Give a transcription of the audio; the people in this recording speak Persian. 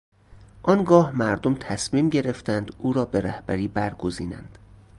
آنگاه مردم تصمیم گرفتند او را به رهبری برگزینند.